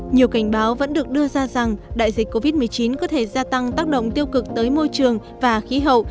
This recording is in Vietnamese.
nhiều cảnh báo vẫn được đưa ra rằng đại dịch covid một mươi chín có thể gia tăng tác động tiêu cực tới môi trường và khí hậu